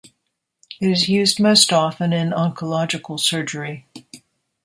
It is used most often in oncological surgery.